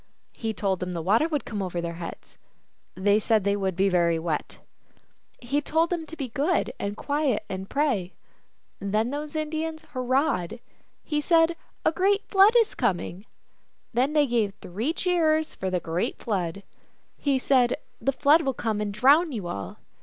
He told them the water would come over their heads. They said that would be very wet. He told them to be good and quiet, and pray. Then those Indians hur rahed. He said, " A great Flood is coming." Then they gave three cheers for the great Flood. He said, " The Flood will come and drown you all."